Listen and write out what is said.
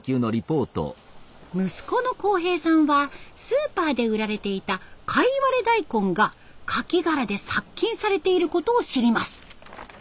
息子の耕平さんはスーパーで売られていたかいわれ大根がカキ殻で殺菌されていることを知ります。